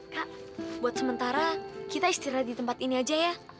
kak buat sementara kita istirahat di tempat ini aja ya